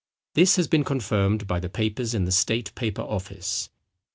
This has been confirmed by the papers in the State Paper Office.